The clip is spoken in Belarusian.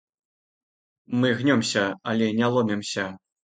Мы гнёмся, але не ломімся.